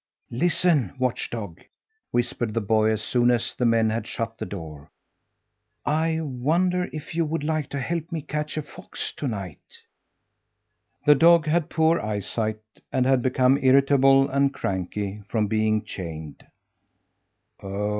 "Listen, watch dog!" whispered the boy as soon as the men had shut the door. "I wonder if you would like to help me catch a fox to night?" The dog had poor eyesight and had become irritable and cranky from being chained.